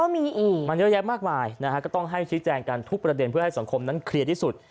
มีอีกมันเยอะแยะมากมายนะฮะก็ต้องให้ชี้แจงกันทุกประเด็นเพื่อให้สังคมนั้นเคลียร์ที่สุด